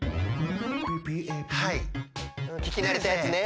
ききなれたやつね。